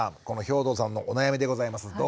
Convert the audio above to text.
この兵頭さんのお悩みでございます